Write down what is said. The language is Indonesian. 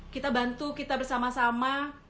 kita bantu kita bersama sama